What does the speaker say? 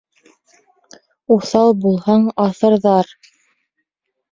Уҫал булһаң, аҫырҙар;